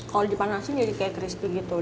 kalau dipanasin jadi kayak crispy gitu